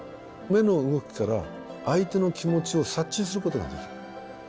目の動きから相手の気持ちを察知することができる。